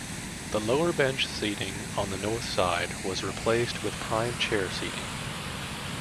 The lower bench seating on the north side was replaced with prime chair seating.